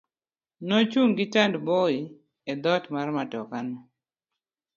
Nochung' gi tandboi e doot mar matoka no.